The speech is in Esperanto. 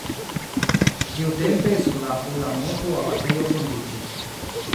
Tiutempe sur la apuda monto abatejo fondiĝis.